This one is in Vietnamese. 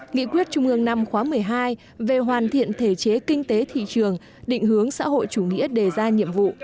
nghị quyết trung ương năm khóa một mươi hai về hoàn thiện thể chế kinh tế thị trường định hướng xã hội chủ nghĩa đề ra nhiệm vụ